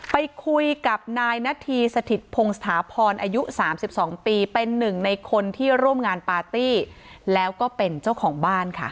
ไปคุยกับนายนาธีสถิตพงศาพรอายุ๓๒ปีเป็นหนึ่งในคนที่ร่วมงานปาร์ตี้แล้วก็เป็นเจ้าของบ้านค่ะ